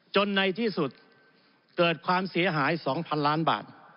ในที่สุดเกิดความเสียหาย๒๐๐๐ล้านบาท